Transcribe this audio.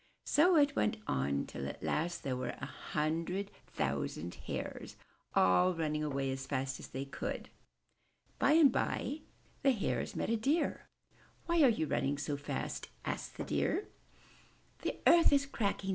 So it went on, till at last there were a hundred thousand Hares all running away as fast as they could. By and by the Hares met a Deer. ''Why are you all running so fast?*' asked the Deer. 'The earth is cracking!"